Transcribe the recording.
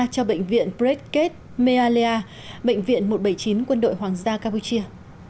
cho bệnh viện bredkett mealea bệnh viện một trăm bảy mươi chín quân đội hoàng gia campuchia